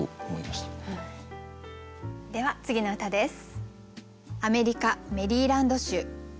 では次の歌です。